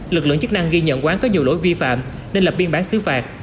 lực lượng chức năng ghi nhận quán có nhiều lỗi vi phạm nên lập biên bản xứ phạt